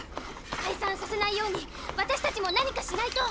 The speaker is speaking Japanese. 解散させないように私たちも何かしないと！